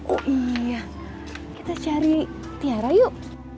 oh iya kita cari tiara yuk